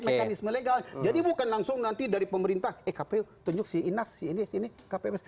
ada mekanisme legalnya jadi bukan langsung nanti dari pemerintah eh kppu tunjuk si inas si ini si ini kpps